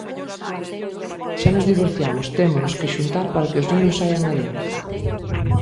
Xa nos divorciamos, témonos que xuntar para que os nenos saian adiante.